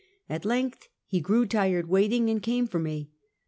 At lengtli he grew tired waiting, and came for me.